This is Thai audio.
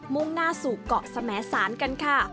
่งหน้าสู่เกาะสมสารกันค่ะ